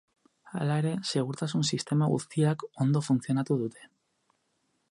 Hala ere, segurtasun-sistema guztiak ondo funtzionatu dute.